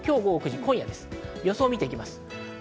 予想を見ていきます。